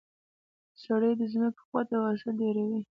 سرې د ځمکې قوت او حاصل ډیروي.